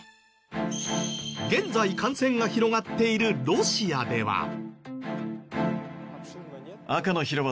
現在感染が広がっているロシアでは。